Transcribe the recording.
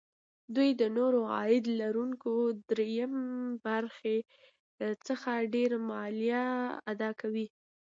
دوی د نورو عاید لرونکو دریم برخې څخه ډېره مالیه اداکوي